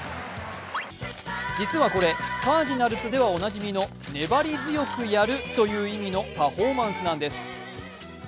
実は、これカージナルスではおなじみの粘り強くやるという意味のパフォーマンスなんです。